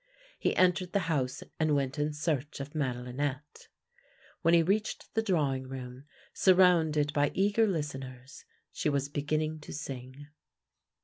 He entered the house and went in search of Made linette. When he reached the drawing room, sur rounded by eager listeners, she was beginning to sing.